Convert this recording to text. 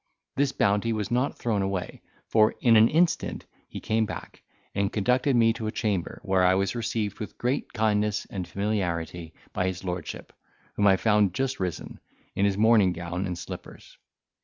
This bounty was not thrown away, for in an instant he came back, and conducted me to a chamber, where I was received with great kindness and familiarity by his lordship, whom I found just risen, in his morning gown, and slippers.